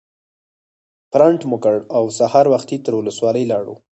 پرنټ مو کړ او سهار وختي تر ولسوالۍ لاړو.